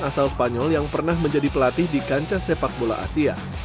asal spanyol yang pernah menjadi pelatih di kancah sepak bola asia